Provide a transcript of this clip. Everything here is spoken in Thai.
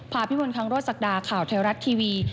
พาพี่มนต์ค้างรถสักดาข่าวเทวรัฐทีวี